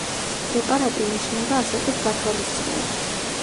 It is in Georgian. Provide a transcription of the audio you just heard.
პრეპარატი ინიშნება ასაკის გათვალისწინებით.